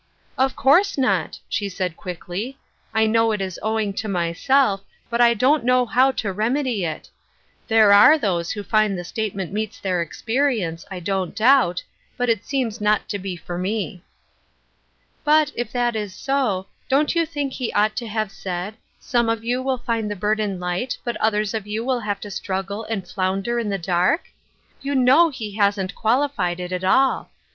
" Of course not," she said, quickly. " I know it is owing to myself, but I don't know how to remedy it. There are those who find the state ment meets their experience, I don't doubt, but it seems not to be for me." " But, if that is so, don't you think he ought to have said, ' Some of you will find the burden light, but others of you will have to struggle and flounder in the dark ?' You know he hasn't qualified it at all.